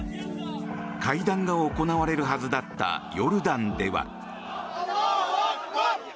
会談が行われるはずだったヨルダンでは。